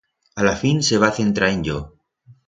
A la fin se va centrar en yo.